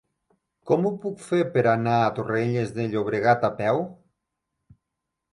Com ho puc fer per anar a Torrelles de Llobregat a peu?